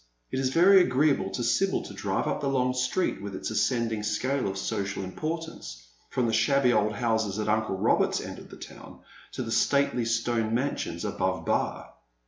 It is very agreeable to Sibyl to drive up the long street, with its ascending scale of social importance, from the shabby old houses at uncle iiobert's end of the town to the stately stone mansions •hove Bar.